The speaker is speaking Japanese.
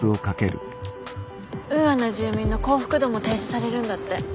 ウーアの住民の幸福度も提示されるんだって。